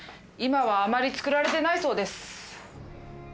今はあまり作られてないそうです。